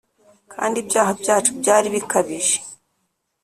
Kandi ibyaha byacu byari bikabije